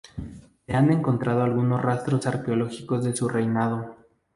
Se han encontrado algunos rastros arqueológicos de su reinado.